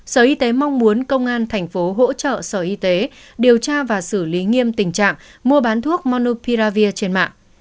sở y tế mong muốn công an thành phố hỗ trợ sở y tế điều tra và xử lý nghiêm tình trạng mua bán thuốc monopiravir trên mạng